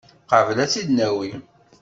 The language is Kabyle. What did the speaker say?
Qabel ad tt-id-nawi.